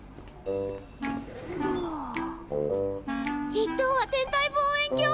一等は天体望遠鏡！